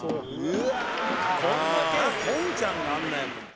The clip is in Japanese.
こんちゃんがあんなやもん。